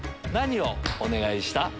何をお願いした？